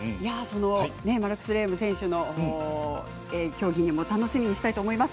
マルクス・レーム選手の競技も楽しみにしたいと思います。